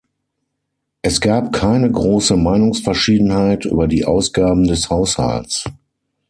Es gab keine große Meinungsverschiedenheit über die Ausgaben des Haushalts.